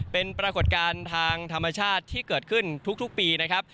เป็นปรากฏการณ์ทางธรรมชาติที่เกิดขึ้นทุกปีนะครับ